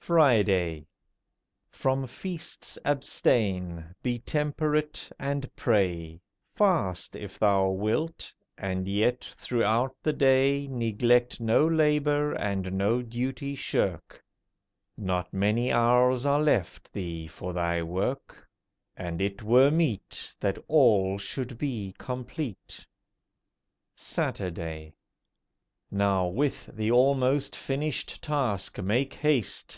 FRIDAY From feasts abstain; be temperate, and pray; Fast if thou wilt; and yet, throughout the day, Neglect no labour and no duty shirk: Not many hours are left thee for thy work— And it were meet That all should be complete. SATURDAY Now with the almost finished task make haste.